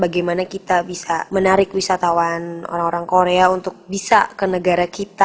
bagaimana kita bisa menarik wisatawan orang orang korea untuk bisa ke negara kita